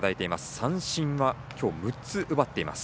三振は、今日６つ奪っています。